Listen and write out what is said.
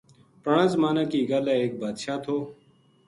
پرانا زمانا کی گل ہے ایک بادشاہ تھو